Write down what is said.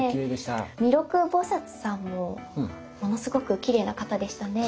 弥勒菩さんもものすごくきれいな方でしたね。